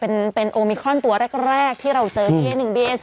นี่นี่นี่นี่นี่นี่นี่